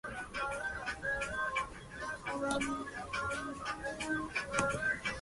Esto ocurrió para incorporar a Segovia al proceso autonómico de Castilla y León.